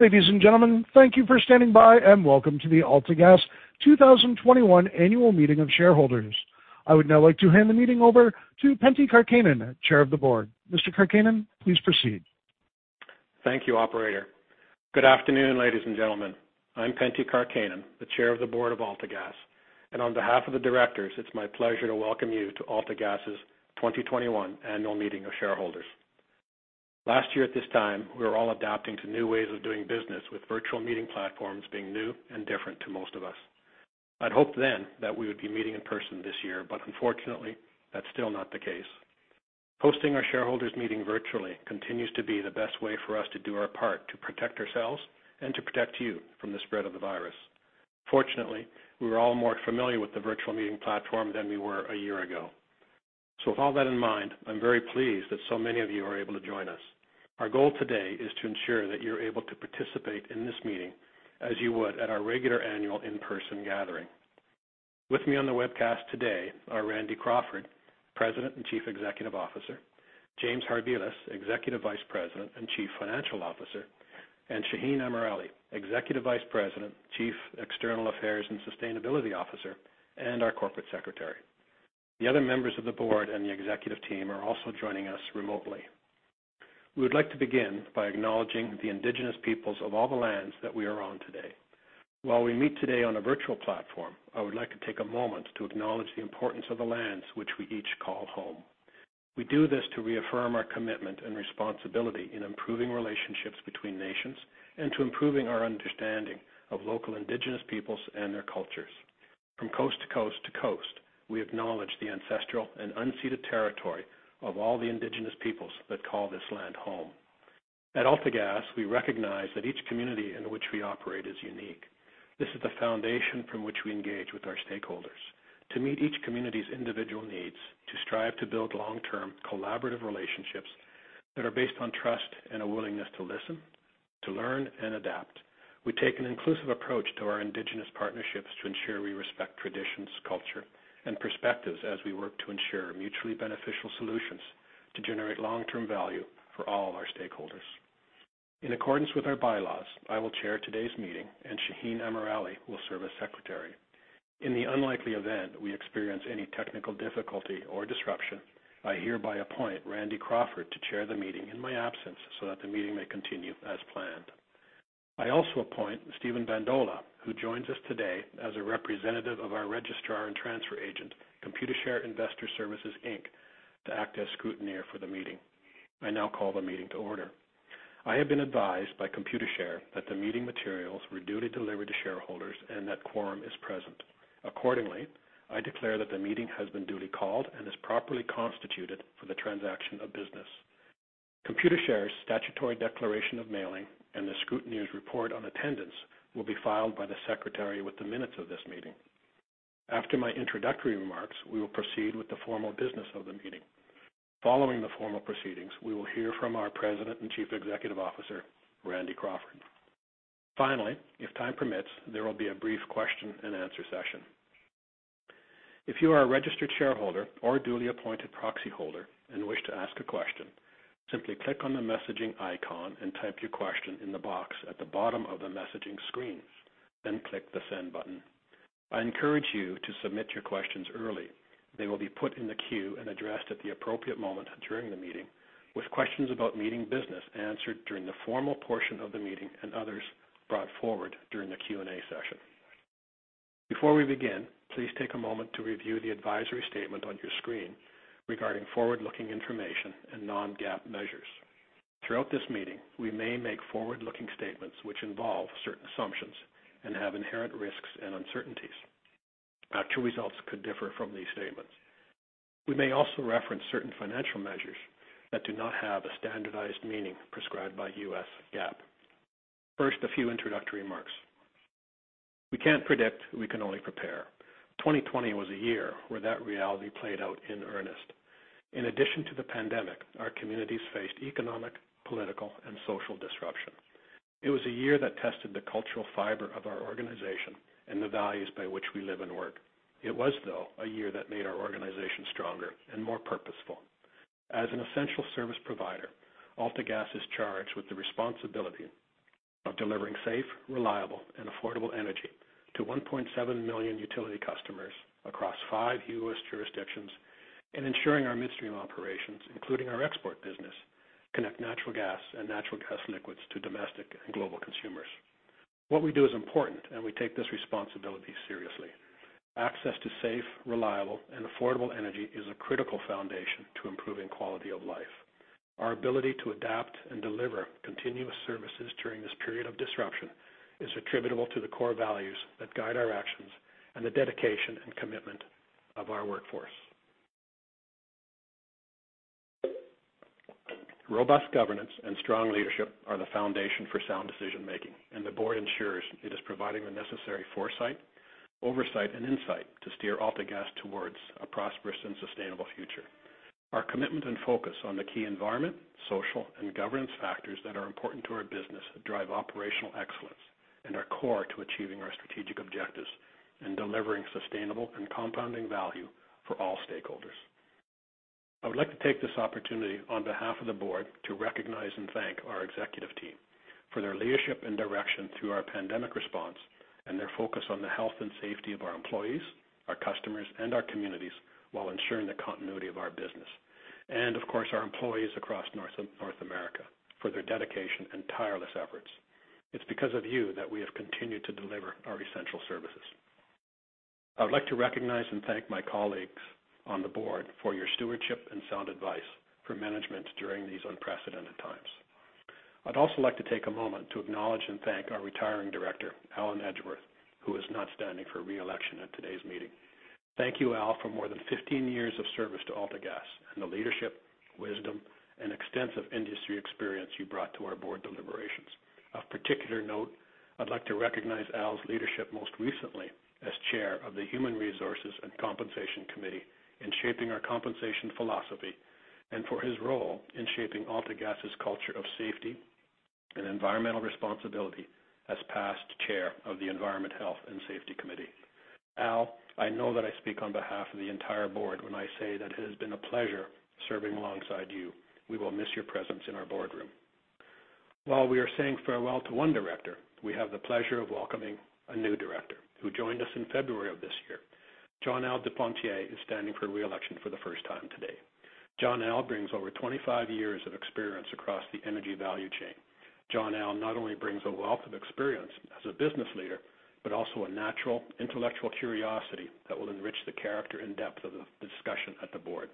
Ladies and gentlemen, thank you for standing by and welcome to the AltaGas 2021 annual meeting of shareholders. I would now like to hand the meeting over to Pentti Karkkainen, Chair of the Board. Mr. Karkkainen, please proceed. Thank you, operator. Good afternoon, ladies and gentlemen. I'm Pentti Karkkainen, the chair of the board of AltaGas, and on behalf of the directors, it's my pleasure to welcome you to AltaGas's 2021 annual meeting of shareholders. Last year at this time, we were all adapting to new ways of doing business, with virtual meeting platforms being new and different to most of us. I'd hoped then that we would be meeting in person this year, but unfortunately, that's still not the case. Hosting our shareholders meeting virtually continues to be the best way for us to do our part to protect ourselves and to protect you from the spread of the virus. Fortunately, we are all more familiar with the virtual meeting platform than we were a year ago. With all that in mind, I'm very pleased that so many of you are able to join us. Our goal today is to ensure that you're able to participate in this meeting as you would at our regular annual in-person gathering. With me on the webcast today are Randy Crawford, President and Chief Executive Officer, James Harbilas, Executive Vice President and Chief Financial Officer, and Shaheen Amirali, Executive Vice President, Chief External Affairs and Sustainability Officer and our Corporate Secretary. The other members of the board and the executive team are also joining us remotely. We would like to begin by acknowledging the indigenous peoples of all the lands that we are on today. While we meet today on a virtual platform, I would like to take a moment to acknowledge the importance of the lands which we each call home. We do this to reaffirm our commitment and responsibility in improving relationships between nations, and to improving our understanding of local indigenous peoples and their cultures. From coast to coast to coast, we acknowledge the ancestral and unceded territory of all the indigenous peoples that call this land home. At AltaGas, we recognize that each community in which we operate is unique. This is the foundation from which we engage with our stakeholders to meet each community's individual needs, to strive to build long-term collaborative relationships that are based on trust and a willingness to listen, to learn, and adapt. We take an inclusive approach to our indigenous partnerships to ensure we respect traditions, culture, and perspectives as we work to ensure mutually beneficial solutions to generate long-term value for all our stakeholders. In accordance with our bylaws, I will chair today's meeting, and Shaheen Amirali will serve as Secretary. In the unlikely event we experience any technical difficulty or disruption, I hereby appoint Randy Crawford to chair the meeting in my absence so that the meeting may continue as planned. I also appoint Stephen Bandola, who joins us today as a representative of our registrar and transfer agent, Computershare Investor Services Inc, to act as scrutineer for the meeting. I now call the meeting to order. I have been advised by Computershare that the meeting materials were duly delivered to shareholders and that quorum is present. Accordingly, I declare that the meeting has been duly called and is properly constituted for the transaction of business. Computershare's statutory declaration of mailing and the scrutineer's report on attendance will be filed by the secretary with the minutes of this meeting. After my introductory remarks, we will proceed with the formal business of the meeting. Following the formal proceedings, we will hear from our President and Chief Executive Officer, Randy Crawford. If time permits, there will be a brief question-and-answer session. If you are a registered shareholder or a duly appointed proxy holder and wish to ask a question, simply click on the messaging icon and type your question in the box at the bottom of the messaging screen, then click the send button. I encourage you to submit your questions early. They will be put in the queue and addressed at the appropriate moment during the meeting, with questions about meeting business answered during the formal portion of the meeting and others brought forward during the Q&A session. Before we begin, please take a moment to review the advisory statement on your screen regarding forward-looking information and non-GAAP measures. Throughout this meeting, we may make forward-looking statements which involve certain assumptions and have inherent risks and uncertainties. Actual results could differ from these statements. We may also reference certain financial measures that do not have a standardized meaning prescribed by U.S. GAAP. First, a few introductory remarks. We can't predict. We can only prepare. 2020 was a year where that reality played out in earnest. In addition to the pandemic, our communities faced economic, political, and social disruption. It was a year that tested the cultural fiber of our organization and the values by which we live and work. It was, though, a year that made our organization stronger and more purposeful. As an essential service provider, AltaGas is charged with the responsibility of delivering safe, reliable, and affordable energy to 1.7 million utility customers across 5 U.S. jurisdictions and ensuring our midstream operations, including our export business, connect natural gas and natural gas liquids to domestic and global consumers. We take this responsibility seriously. Access to safe, reliable, and affordable energy is a critical foundation to improving quality of life. Our ability to adapt and deliver continuous services during this period of disruption is attributable to the core values that guide our actions and the dedication and commitment of our workforce. Robust governance and strong leadership are the foundation for sound decision-making. The board ensures it is providing the necessary foresight, oversight, and insight to steer AltaGas towards a prosperous and sustainable future. Our commitment and focus on the key environment, social, and governance factors that are important to our business drive operational core to achieving our strategic objectives and delivering sustainable and compounding value for all stakeholders. I would like to take this opportunity on behalf of the Board to recognize and thank our executive team for their leadership and direction through our pandemic response and their focus on the health and safety of our employees, our customers and our communities while ensuring the continuity of our business. Of course, our employees across North America for their dedication and tireless efforts. It's because of you that we have continued to deliver our essential services. I would like to recognize and thank my colleagues on the Board for your stewardship and sound advice for management during these unprecedented times. I'd also like to take a moment to acknowledge and thank our retiring director, Al Edgeworth, who is not standing for re-election at today's meeting. Thank you, Al, for more than 15 years of service to AltaGas and the leadership, wisdom, and extensive industry experience you brought to our board deliberations. Of particular note, I'd like to recognize Al's leadership, most recently as chair of the Human Resources and Compensation Committee in shaping our compensation philosophy, and for his role in shaping AltaGas's culture of safety and environmental responsibility as past chair of the Environment, Health and Safety Committee. Al, I know that I speak on behalf of the entire board when I say that it has been a pleasure serving alongside you. We will miss your presence in our boardroom. While we are saying farewell to one director, we have the pleasure of welcoming a new director who joined us in February of this year. Jon-Al Duplantier is standing for re-election for the first time today. Jon-Al brings over 25 years of experience across the energy value chain. Jon-Al not only brings a wealth of experience as a business leader, but also a natural intellectual curiosity that will enrich the character and depth of the discussion at the board.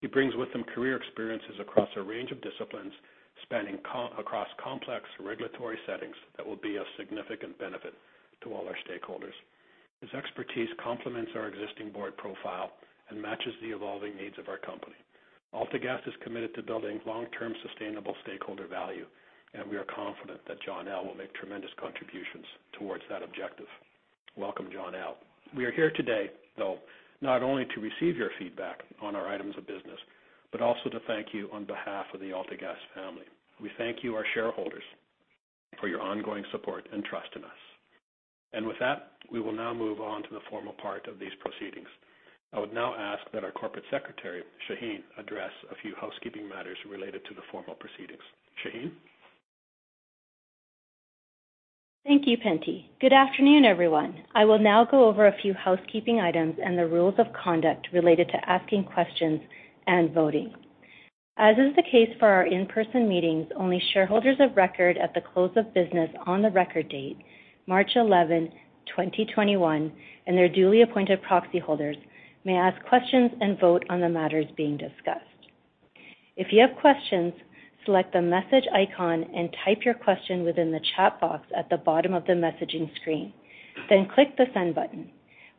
He brings with him career experiences across a range of disciplines, spanning across complex regulatory settings that will be of significant benefit to all our stakeholders. His expertise complements our existing board profile and matches the evolving needs of our company. AltaGas is committed to building long-term sustainable stakeholder value, and we are confident that Jon-Al will make tremendous contributions towards that objective. Welcome, Jon-Al. We are here today, though, not only to receive your feedback on our items of business, but also to thank you on behalf of the AltaGas family. We thank you, our shareholders, for your ongoing support and trust in us. With that, we will now move on to the formal part of these proceedings. I would now ask that our Corporate Secretary, Shaheen, address a few housekeeping matters related to the formal proceedings. Shaheen? Thank you, Pentti. Good afternoon, everyone. I will now go over a few housekeeping items and the rules of conduct related to asking questions and voting. As is the case for our in-person meetings, only shareholders of record at the close of business on the record date, March 11, 2021, and their duly appointed proxy holders may ask questions and vote on the matters being discussed. If you have questions, select the message icon and type your question within the chat box at the bottom of the messaging screen, click the send button.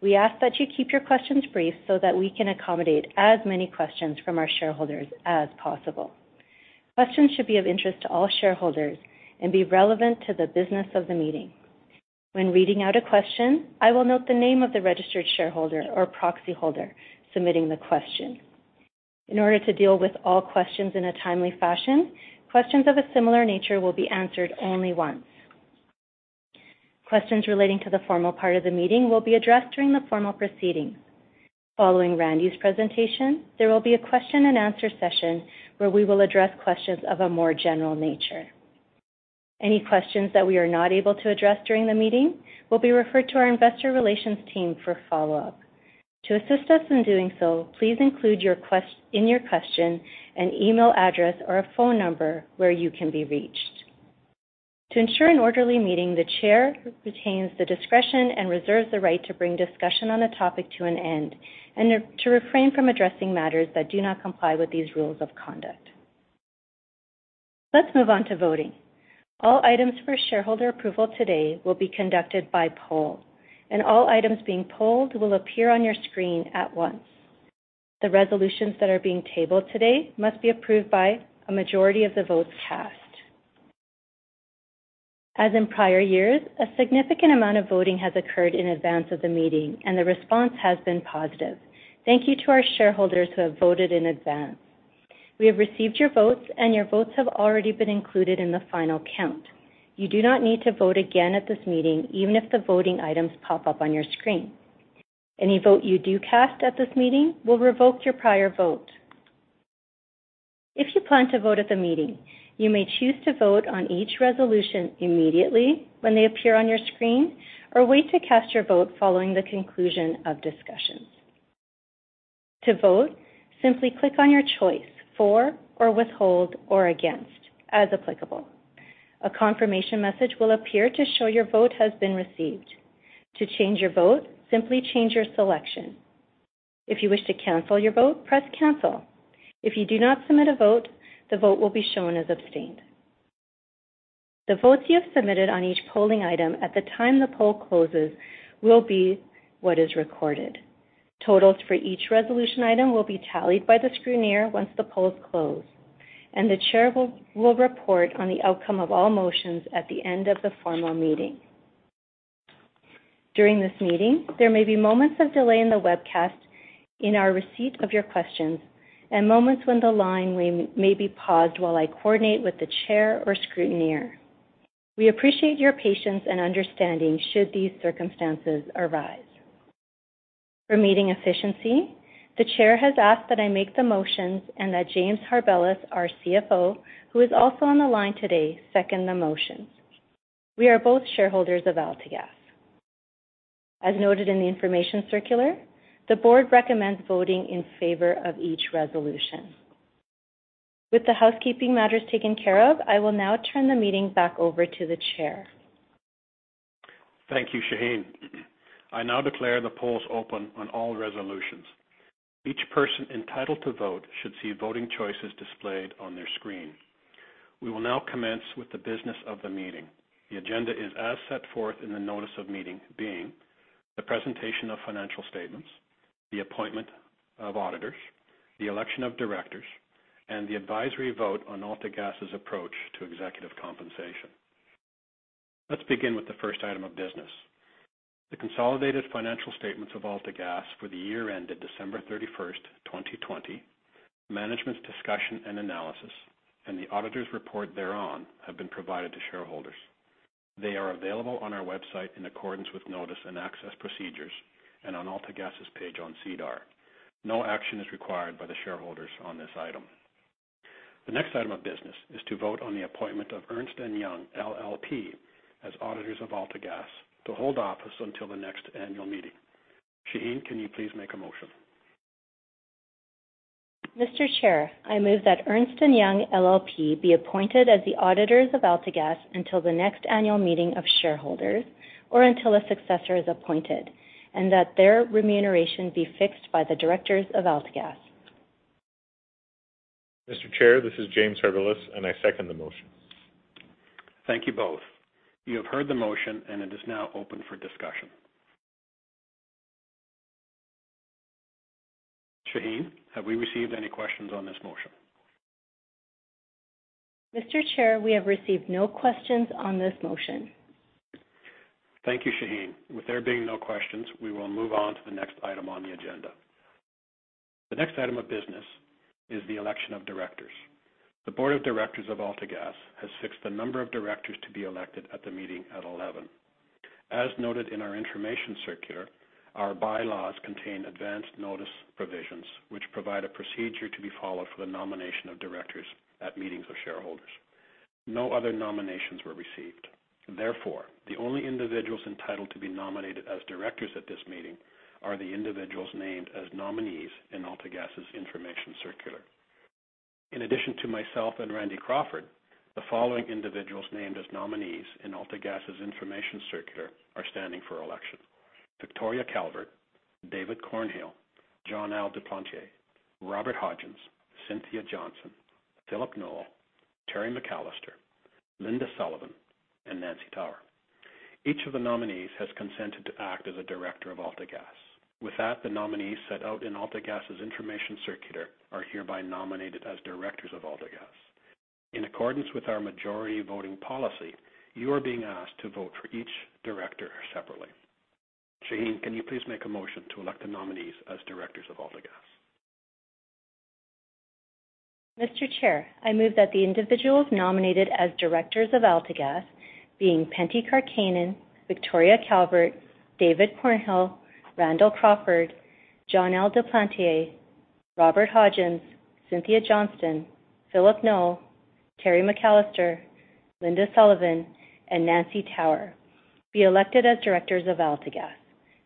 We ask that you keep your questions brief so that we can accommodate as many questions from our shareholders as possible. Questions should be of interest to all shareholders and be relevant to the business of the meeting. When reading out a question, I will note the name of the registered shareholder or proxy holder submitting the question. In order to deal with all questions in a timely fashion, questions of a similar nature will be answered only once. Questions relating to the formal part of the meeting will be addressed during the formal proceedings. Following Randy's presentation, there will be a question and answer session where we will address questions of a more general nature. Any questions that we are not able to address during the meeting will be referred to our investor relations team for follow-up. To assist us in doing so, please include in your question an email address or a phone number where you can be reached. To ensure an orderly meeting, the chair retains the discretion and reserves the right to bring discussion on a topic to an end and to refrain from addressing matters that do not comply with these rules of conduct. Let's move on to voting. All items for shareholder approval today will be conducted by poll, and all items being polled will appear on your screen at once. The resolutions that are being tabled today must be approved by a majority of the votes cast. As in prior years, a significant amount of voting has occurred in advance of the meeting, and the response has been positive. Thank you to our shareholders who have voted in advance. We have received your votes, and your votes have already been included in the final count. You do not need to vote again at this meeting, even if the voting items pop up on your screen. Any vote you do cast at this meeting will revoke your prior vote. If you plan to vote at the meeting, you may choose to vote on each resolution immediately when they appear on your screen, or wait to cast your vote following the conclusion of discussions. To vote, simply click on your choice for or withhold or against as applicable. A confirmation message will appear to show your vote has been received. To change your vote, simply change your selection. If you wish to cancel your vote, press Cancel. If you do not submit a vote, the vote will be shown as abstained. The votes you have submitted on each polling item at the time the poll closes will be what is recorded. Totals for each resolution item will be tallied by the scrutineer once the polls close, and the chair will report on the outcome of all motions at the end of the formal meeting. During this meeting, there may be moments of delay in the webcast in our receipt of your questions and moments when the line may be paused while I coordinate with the chair or scrutineer. We appreciate your patience and understanding should these circumstances arise. For meeting efficiency, the chair has asked that I make the motions and that James Harbilas, our CFO, who is also on the line today, second the motions. We are both shareholders of AltaGas. As noted in the information circular, the board recommends voting in favor of each resolution. With the housekeeping matters taken care of, I will now turn the meeting back over to the chair. Thank you, Shaheen. I now declare the polls open on all resolutions. Each person entitled to vote should see voting choices displayed on their screen. We will now commence with the business of the meeting. The agenda is as set forth in the notice of meeting, being the presentation of financial statements, the appointment of auditors, the election of directors, and the advisory vote on AltaGas' approach to executive compensation. Let's begin with the first item of business. The consolidated financial statements of AltaGas for the year ended December 31st, 2020, management's discussion and analysis, and the auditors' report thereon have been provided to shareholders. They are available on our website in accordance with notice and access procedures and on AltaGas's page on SEDAR. No action is required by the shareholders on this item. The next item of business is to vote on the appointment of Ernst & Young LLP as auditors of AltaGas to hold office until the next annual meeting. Shaheen, can you please make a motion? Mr. Chair, I move that Ernst & Young LLP be appointed as the auditors of AltaGas until the next annual meeting of shareholders or until a successor is appointed, and that their remuneration be fixed by the directors of AltaGas. Mr. Chair, this is James Harbilas, and I second the motion. Thank you both. You have heard the motion, and it is now open for discussion. Shaheen, have we received any questions on this motion? Mr. Chair, we have received no questions on this motion. Thank you, Shaheen. With there being no questions, we will move on to the next item on the agenda. The next item of business is the election of directors. The board of directors of AltaGas has fixed the number of directors to be elected at the meeting at 11. As noted in our information circular, our bylaws contain advance notice provisions, which provide a procedure to be followed for the nomination of directors at meetings of shareholders. No other nominations were received. Therefore, the only individuals entitled to be nominated as directors at this meeting are the individuals named as nominees in AltaGas's information circular. In addition to myself and Randy Crawford, the following individuals named as nominees in AltaGas's information circular are standing for election: Victoria Calvert, David Cornhill, Jon-Al Duplantier, Robert B. Hodgins, Cynthia Johnston, Phillip R. Knoll, Terry D. McCallister, Linda G. Sullivan, and Nancy G. Tower. Each of the nominees has consented to act as a director of AltaGas. With that, the nominees set out in AltaGas's information circular are hereby nominated as directors of AltaGas. In accordance with our majority voting policy, you are being asked to vote for each director separately. Shaheen, can you please make a motion to elect the nominees as directors of AltaGas? Mr. Chair, I move that the individuals nominated as directors of AltaGas, being Pentti Karkkainen, Victoria A. Calvert, David W. Cornhill, Randall L. Crawford, Jon-Al Duplantier, Robert B. Hodgins, Cynthia Johnston, Phillip R. Knoll, Terry D. McCallister, Linda G. Sullivan, and Nancy G. Tower, be elected as directors of AltaGas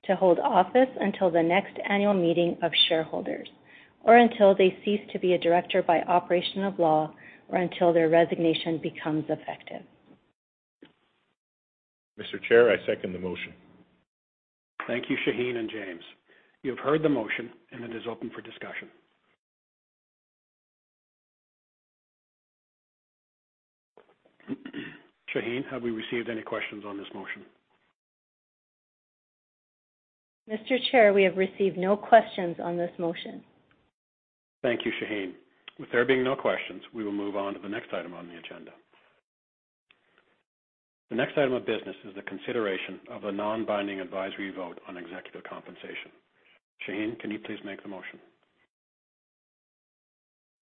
to hold office until the next annual meeting of shareholders or until they cease to be a director by operation of law or until their resignation becomes effective. Mr. Chair, I second the motion. Thank you, Shaheen and James. You have heard the motion, and it is open for discussion. Shaheen, have we received any questions on this motion? Mr. Chair, we have received no questions on this motion. Thank you, Shaheen. With there being no questions, we will move on to the next item on the agenda. The next item of business is the consideration of a non-binding advisory vote on executive compensation. Shaheen, can you please make the motion?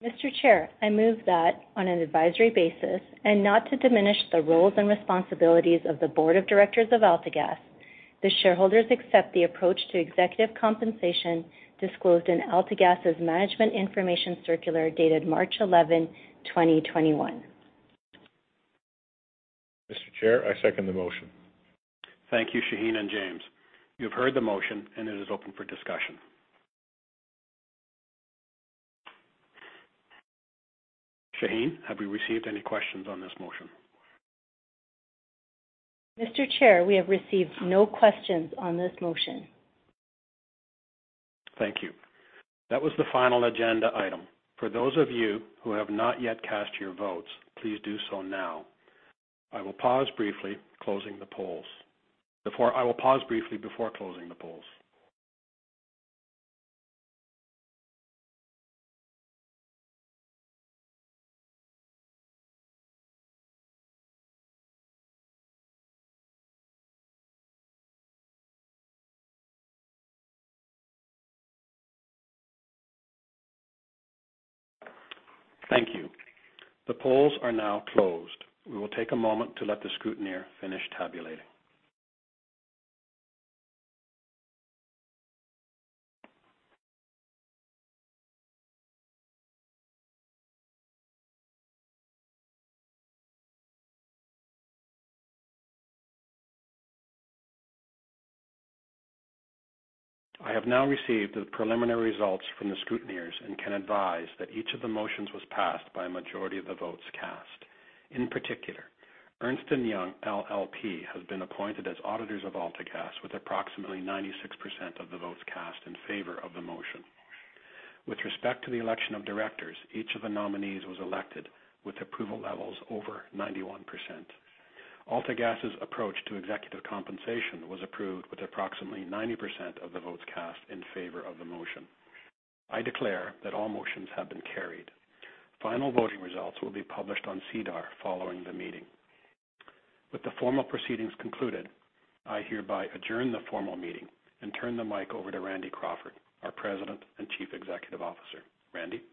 Mr. Chair, I move that on an advisory basis and not to diminish the roles and responsibilities of the board of directors of AltaGas, the shareholders accept the approach to executive compensation disclosed in AltaGas's management information circular dated March 11, 2021. Mr. Chair, I second the motion. Thank you, Shaheen and James. You have heard the motion, and it is open for discussion. Shaheen, have we received any questions on this motion? Mr. Chair, we have received no questions on this motion. Thank you. That was the final agenda item. For those of you who have not yet cast your votes, please do so now. I will pause briefly before closing the polls. Thank you. The polls are now closed. We will take a moment to let the scrutineer finish tabulating. I have now received the preliminary results from the scrutineers and can advise that each of the motions was passed by a majority of the votes cast. In particular, Ernst & Young LLP has been appointed as auditors of AltaGas with approximately 96% of the votes cast in favor of the motion. With respect to the election of directors, each of the nominees was elected with approval levels over 91%. AltaGas' approach to executive compensation was approved with approximately 90% of the votes cast in favor of the motion. I declare that all motions have been carried. Final voting results will be published on SEDAR following the meeting. With the formal proceedings concluded, I hereby adjourn the formal meeting and turn the mic over to Randy Crawford, our President and Chief Executive Officer. Randy?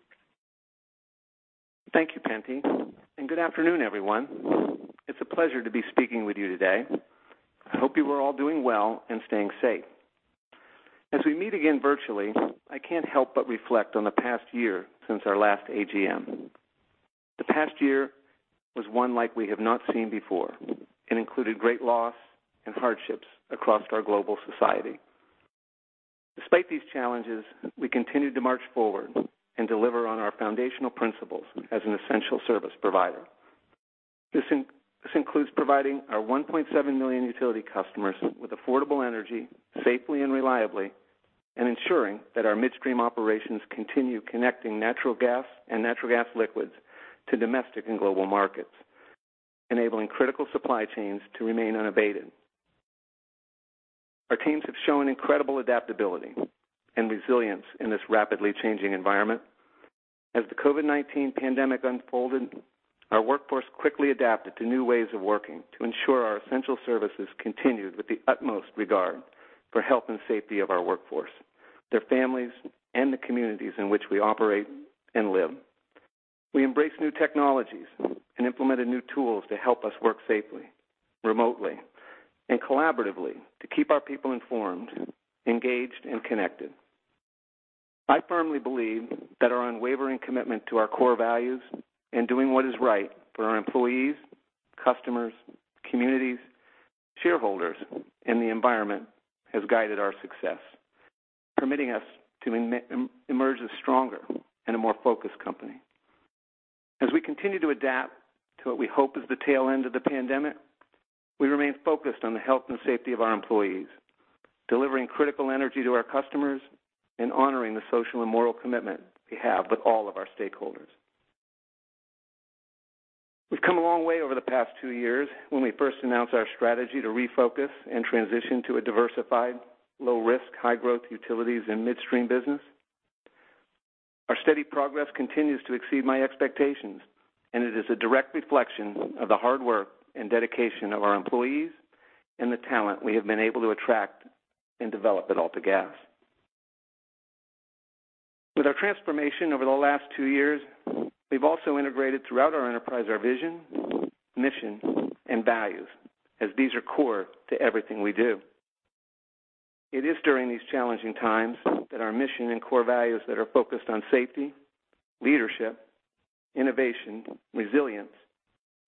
Thank you, Pentti, and good afternoon, everyone. It's a pleasure to be speaking with you today. I hope you are all doing well and staying safe. As we meet again virtually, I can't help but reflect on the past year since our last AGM. The past year was one like we have not seen before and included great loss and hardships across our global society. Despite these challenges, we continued to march forward and deliver on our foundational principles as an essential service provider. This includes providing our 1.7 million utility customers with affordable energy safely and reliably and ensuring that our midstream operations continue connecting natural gas and natural gas liquids to domestic and global markets, enabling critical supply chains to remain unabated. Our teams have shown incredible adaptability and resilience in this rapidly changing environment. As the COVID-19 pandemic unfolded, our workforce quickly adapted to new ways of working to ensure our essential services continued with the utmost regard for health and safety of our workforce, their families, and the communities in which we operate and live. We embraced new technologies and implemented new tools to help us work safely, remotely, and collaboratively to keep our people informed, engaged, and connected. I firmly believe that our unwavering commitment to our core values and doing what is right for our employees, customers, communities, shareholders, and the environment has guided our success, permitting us to emerge a stronger and a more focused company. As we continue to adapt to what we hope is the tail end of the pandemic, we remain focused on the health and safety of our employees, delivering critical energy to our customers, and honoring the social and moral commitment we have with all of our stakeholders. We've come a long way over the past two years when we first announced our strategy to refocus and transition to a diversified, low-risk, high-growth utilities and midstream business. Our steady progress continues to exceed my expectations, and it is a direct reflection of the hard work and dedication of our employees and the talent we have been able to attract and develop at AltaGas. With our transformation over the last two years, we've also integrated throughout our enterprise our vision, mission, and values, as these are core to everything we do. It is during these challenging times that our mission and core values that are focused on safety, leadership, innovation, resilience,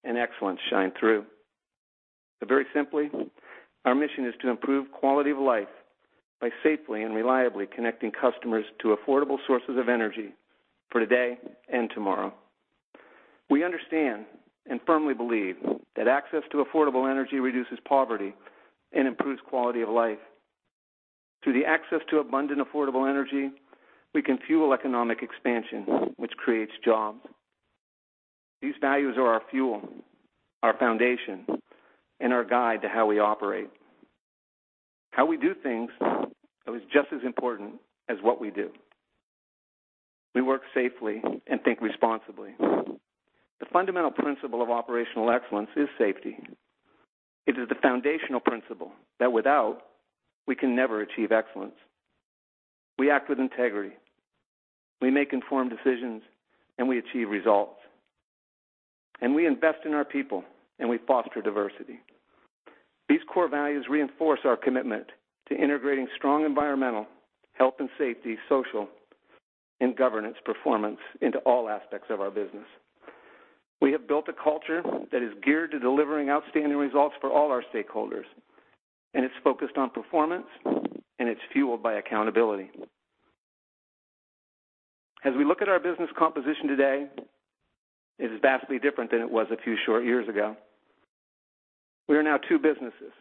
and excellence shine through. Very simply, our mission is to improve quality of life by safely and reliably connecting customers to affordable sources of energy for today and tomorrow. We understand and firmly believe that access to affordable energy reduces poverty and improves quality of life. Through the access to abundant, affordable energy, we can fuel economic expansion, which creates jobs. These values are our fuel, our foundation, and our guide to how we operate. How we do things is just as important as what we do. We work safely and think responsibly. The fundamental principle of operational excellence is safety. It is the foundational principle that without, we can never achieve excellence. We act with integrity. We make informed decisions, and we achieve results, and we invest in our people, and we foster diversity. These core values reinforce our commitment to integrating strong environmental, health and safety, social, and governance performance into all aspects of our business. We have built a culture that is geared to delivering outstanding results for all our stakeholders, and it's focused on performance, and it's fueled by accountability. As we look at our business composition today, it is vastly different than it was a few short years ago. We are now two businesses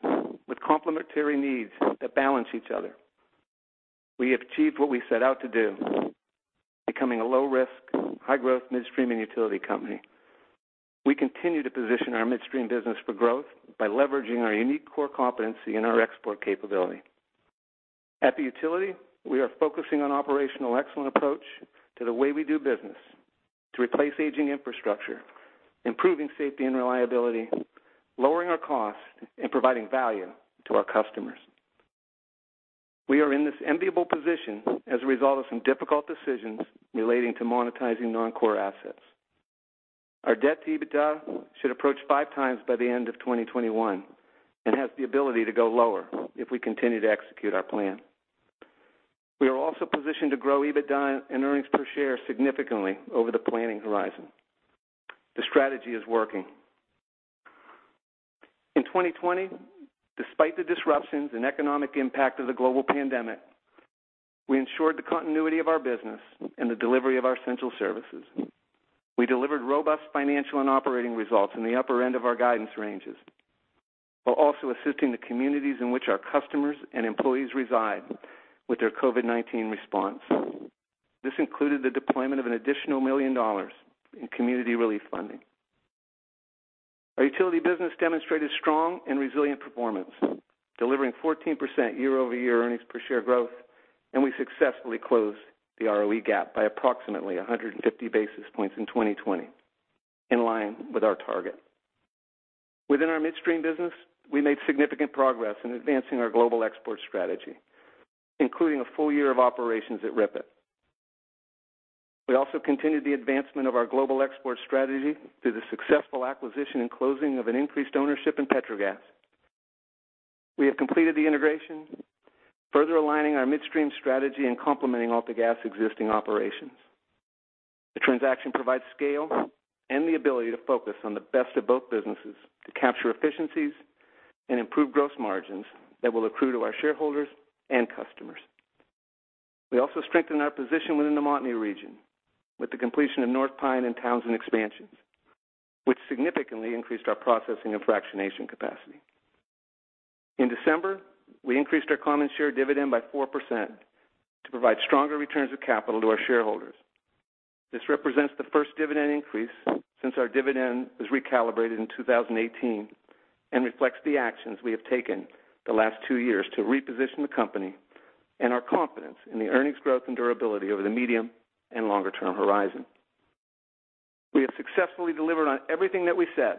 with complementary needs that balance each other. We have achieved what we set out to do, becoming a low-risk, high-growth midstream and utility company. We continue to position our midstream business for growth by leveraging our unique core competency and our export capability. At the utility, we are focusing on operational excellence approach to the way we do business to replace aging infrastructure, improving safety and reliability, lowering our costs, and providing value to our customers. We are in this enviable position as a result of some difficult decisions relating to monetizing non-core assets. Our debt-to-EBITDA should approach five times by the end of 2021 and has the ability to go lower if we continue to execute our plan. We are also positioned to grow EBITDA and earnings per share significantly over the planning horizon. The strategy is working. In 2020, despite the disruptions and economic impact of the global pandemic, we ensured the continuity of our business and the delivery of our central services. We delivered robust financial and operating results in the upper end of our guidance ranges, while also assisting the communities in which our customers and employees reside with their COVID-19 response. This included the deployment of an additional 1 million dollars in community relief funding. Our utility business demonstrated strong and resilient performance, delivering 14% year-over-year earnings per share growth, and we successfully closed the ROE gap by approximately 150 basis points in 2020, in line with our target. Within our midstream business, we made significant progress in advancing our global export strategy, including a full year of operations at RIPET. We also continued the advancement of our global export strategy through the successful acquisition and closing of an increased ownership in Petrogas. We have completed the integration, further aligning our midstream strategy and complementing AltaGas existing operations. The transaction provides scale and the ability to focus on the best of both businesses to capture efficiencies and improve gross margins that will accrue to our shareholders and customers. We also strengthened our position within the Montney region with the completion of North Pine and Townsend expansions, which significantly increased our processing and fractionation capacity. In December, we increased our common share dividend by 4% to provide stronger returns of capital to our shareholders. This represents the first dividend increase since our dividend was recalibrated in 2018 and reflects the actions we have taken the last two years to reposition the company, and our confidence in the earnings growth and durability over the medium and longer-term horizon. We have successfully delivered on everything that we said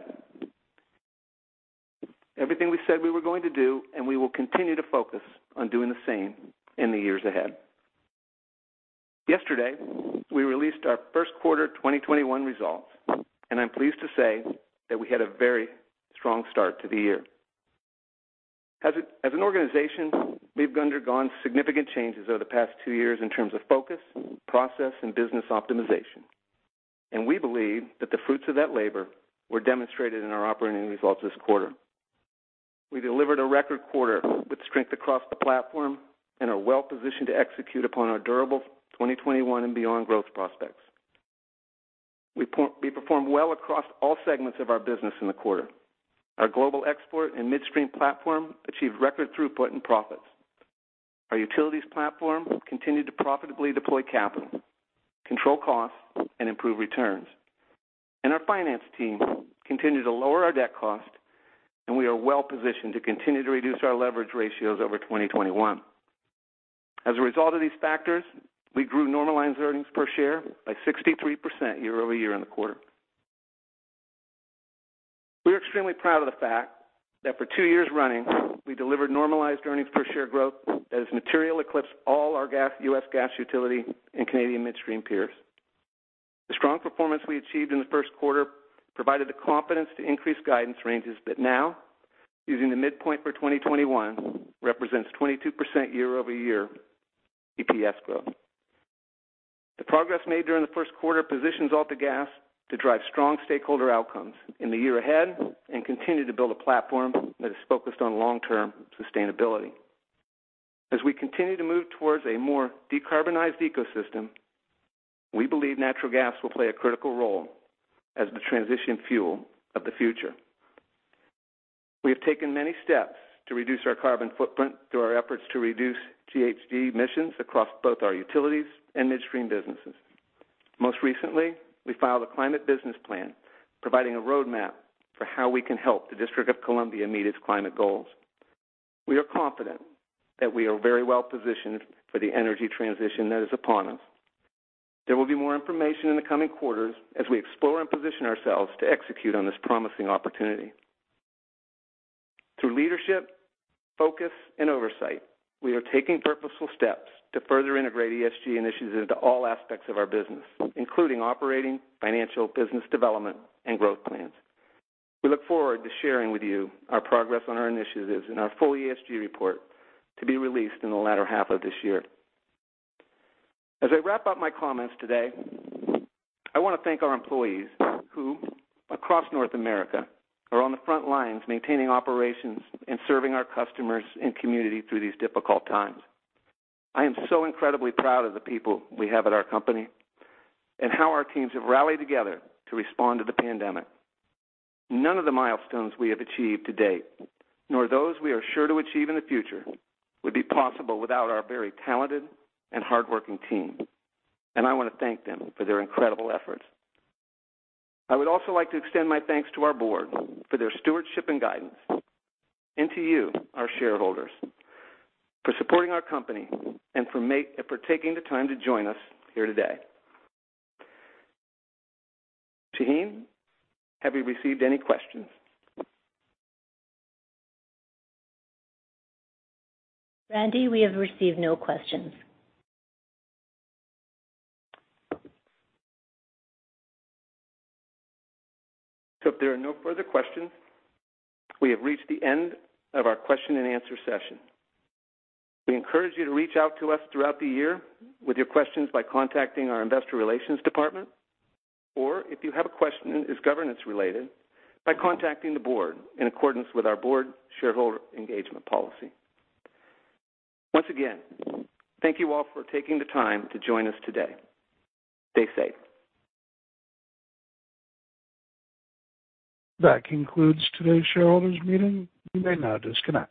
we were going to do, and we will continue to focus on doing the same in the years ahead. Yesterday, we released our first quarter 2021 results, and I'm pleased to say that we had a very strong start to the year. As an organization, we've undergone significant changes over the past two years in terms of focus, process, and business optimization, and we believe that the fruits of that labor were demonstrated in our operating results this quarter. We delivered a record quarter with strength across the platform and are well-positioned to execute upon our durable 2021 and beyond growth prospects. We performed well across all segments of our business in the quarter. Our global export and midstream platform achieved record throughput and profits. Our utilities platform continued to profitably deploy capital, control costs, and improve returns. Our finance team continued to lower our debt cost, and we are well-positioned to continue to reduce our leverage ratios over 2021. As a result of these factors, we grew normalized earnings per share by 63% year-over-year in the quarter. We are extremely proud of the fact that for two years running, we delivered normalized earnings per share growth that has materially eclipsed AltaGas, U.S. gas, utility, and Canadian midstream peers. The strong performance we achieved in the first quarter provided the confidence to increase guidance ranges that now, using the midpoint for 2021, represents 22% year-over-year EPS growth. The progress made during the first quarter positions AltaGas to drive strong stakeholder outcomes in the year ahead and continue to build a platform that is focused on long-term sustainability. As we continue to move towards a more decarbonized ecosystem, we believe natural gas will play a critical role as the transition fuel of the future. We have taken many steps to reduce our carbon footprint through our efforts to reduce GHG emissions across both our utilities and midstream businesses. Most recently, we filed a climate business plan providing a roadmap for how we can help the District of Columbia meet its climate goals. We are confident that we are very well-positioned for the energy transition that is upon us. There will be more information in the coming quarters as we explore and position ourselves to execute on this promising opportunity. Through leadership, focus, and oversight, we are taking purposeful steps to further integrate ESG initiatives into all aspects of our business, including operating, financial, business development, and growth plans. We look forward to sharing with you our progress on our initiatives in our full ESG report to be released in the latter half of this year. As I wrap up my comments today, I want to thank our employees who, across North America, are on the front lines maintaining operations and serving our customers and community through these difficult times. I am so incredibly proud of the people we have at our company and how our teams have rallied together to respond to the pandemic. None of the milestones we have achieved to date, nor those we are sure to achieve in the future, would be possible without our very talented and hardworking team. I want to thank them for their incredible efforts. I would also like to extend my thanks to our board for their stewardship and guidance, and to you, our shareholders, for supporting our company and for taking the time to join us here today. Shaheen, have you received any questions? Randy, we have received no questions. If there are no further questions, we have reached the end of our question-and-answer session. We encourage you to reach out to us throughout the year with your questions by contacting our investor relations department, or if you have a question that is governance-related, by contacting the board in accordance with our board shareholder engagement policy. Once again, thank you all for taking the time to join us today. Stay safe. That concludes today's shareholders meeting. You may now disconnect.